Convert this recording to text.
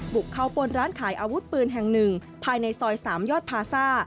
บุกเข้าปนร้านขายอาวุธปืนแห่งหนึ่งภายในซอย๓ยอดพาซ่า